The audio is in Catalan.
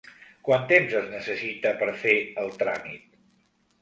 Quant temps es necessita per fer el tràmit?